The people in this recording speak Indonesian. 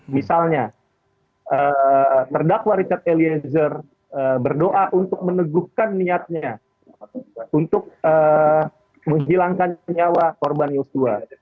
misalnya terdakwa richard eliezer berdoa untuk meneguhkan niatnya untuk menghilangkan nyawa korban yosua